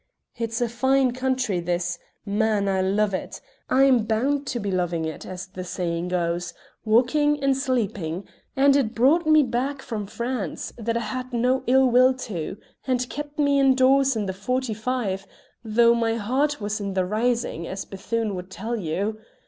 It's a fine country this; man, I love it! I'm bound to be loving it, as the saying goes, waking and sleeping, and it brought me back from France, that I had no illwill to, and kept me indoors in the 'Forty five,' though my heart was in the rising, as Be thune would tell you.